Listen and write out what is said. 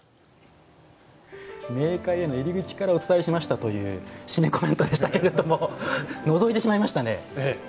冥界への入り口からお伝えしましたという締めコメントでしたけれどものぞいてしまいましたね。